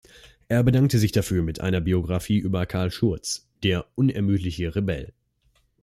Er bedankte sich dafür mit einer Biografie über Carl Schurz: "Der unermüdliche Rebell".